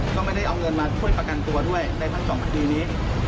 ก็ไม่ได้เอาเงินมาช่วยประกันตัวด้วยในทั้งสองคดีนี้